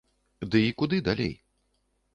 Ды і куды далей?